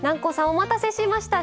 お待たせしました。